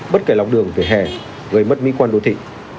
bất kể lọc đường vỉa hè gây mất mỹ quan đồ thị